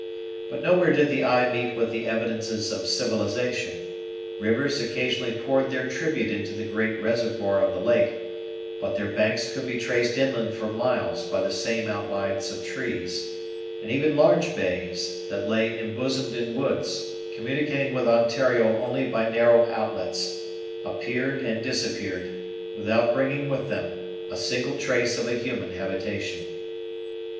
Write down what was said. But nowhere did the eye meet with the evidences of civilization; rivers occasionally poured their tribute into the great reservoir of the lake, but their banks could be traced inland for miles by the same outlines of trees; and even large bays, that lay embosomed in woods, communicating with Ontario only by narrow outlets, appeared and disappeared, without bringing with them a single trace of a human habitation.